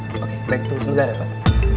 oke baik tuh semoga ada pak